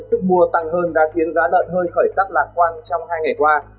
sức mua tăng hơn đã khiến giá lợn hơi khởi sắc lạc quan trong hai ngày qua